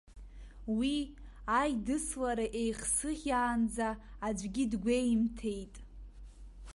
Уи, аидыслара еихсыӷьаанӡа аӡәгьы дгәеимҭеит.